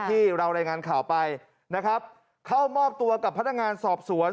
ที่เรารายงานข่าวไปนะครับเข้ามอบตัวกับพนักงานสอบสวน